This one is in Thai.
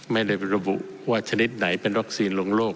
ไม่ได้ระบุว่าชนิดไหนเป็นวัคซีนลงโลก